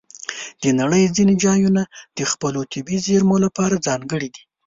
د نړۍ ځینې ځایونه د خپلو طبیعي زیرمو لپاره ځانګړي دي.